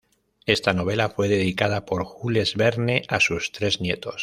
Esta novela fue dedicada por Jules Verne a sus tres nietos.